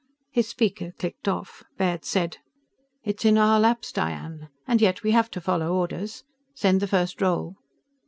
_" His speaker clicked off. Baird said: "It's in our laps. Diane. And yet we have to follow orders. Send the first roll."